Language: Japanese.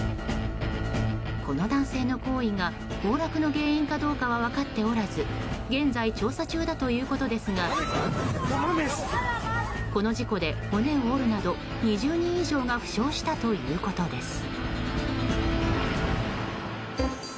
この男性の行為が、崩落の原因かどうかは分かっておらず現在、調査中だということですがこの事故で骨を折るなど２０人以上が負傷したということです。